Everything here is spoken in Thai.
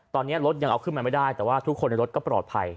ตอนนี้รถยังเอาขึ้นมาไม่ได้แต่ว่าทุกคนในรถก็ปลอดภัย